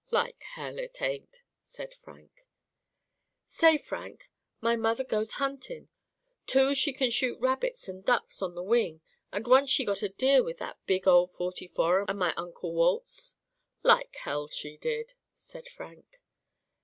'Like hell it ain't,' said Frank. 'Say Frank, my mother goes huntin', too she can shoot rabbits and ducks on the wing and once she got a deer with that big old .44 o' my Uncle Walt's.' 'Like hell she did,' said Frank.